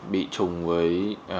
bị trùng với